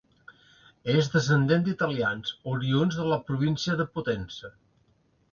És descendent d'italians, oriünds de la província de Potenza.